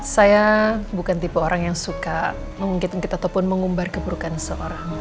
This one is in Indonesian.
saya bukan tipe orang yang suka mengungkit ungkit ataupun mengumbar keburukan seorang